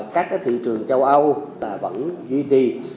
các thị trường châu âu vẫn duy trì